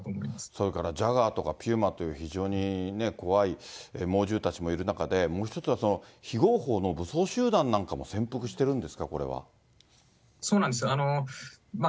それからジャガーとかピューマという非常に怖い猛獣たちもいる中で、もう一つは非合法の武装集団なんかも潜伏してるんですか、そうなんですよ。